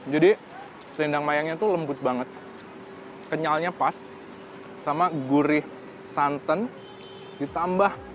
jadi selendang mayangnya tuh lembut banget kenyalnya pas sama gurih santan ditambah